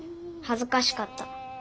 はずかしかった。